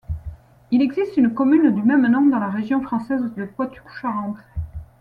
Il existe une commune du même nom dans la région française de Poitou-Charentes.